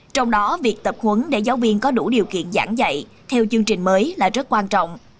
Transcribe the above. trong đó việc tập huấn để giáo viên có đủ điều kiện giảng dạy theo chương trình mới là rất quan trọng